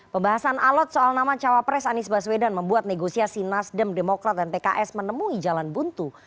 pembahasan alot soal nama cawapres anies baswedan membuat negosiasi nasdem demokrat dan pks menemui jalan buntu